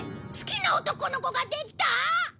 好きな男の子ができた！？